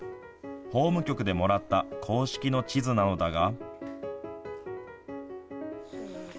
法務局でもらった公式の地図なのだが。